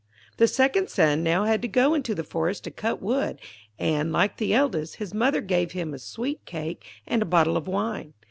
The second son now had to go into the forest to cut wood, and, like the eldest, his mother gave him a sweet cake and a bottle of wine.